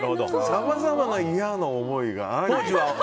さまざまな嫌な思いがあるの。